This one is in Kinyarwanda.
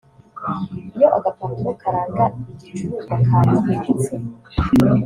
Iyo agapapuro karanga igicuruzwa kangiritse